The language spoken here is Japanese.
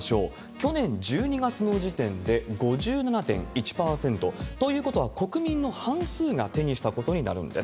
去年１２月の時点で５７．１％。ということは、国民の半数が手にしたことになるんです。